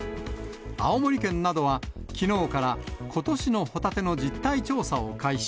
青森県などは、きのうから、ことしのホタテの実態調査を開始。